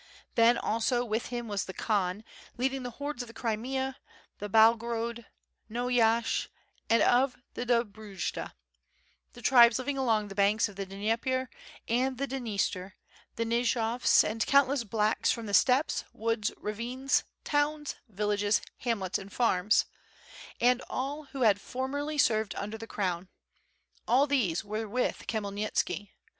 Then also with him was the Khan leading the hordes of the Crimea, of Byalogrod, Nohaysh, and of the Dobrudja; the tribes living along the banks of the Dnieper and Dniester, the Nijovs, and a countless "blacks" from the steppes, woods, ravines, towns, villages, hamlets, and farms, and all who had formerly served under the crown; all these were with Khmyelnitski.